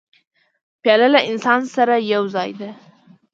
پیاله له انسان سره یو ځای ده.